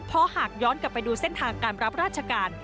เพราะหากย้อนกลับไปดูเส้นทางการรับราชการ